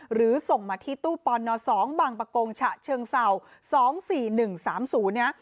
หรือส่งมาที่ตู้ปอนด์น๒บังปะโกงฉะเชิงเสา๒๔๑๓๐นะฮะ